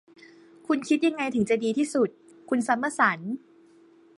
คุณคิดยังไงถึงจะดีที่สุด คุณซัมเมอร์สัน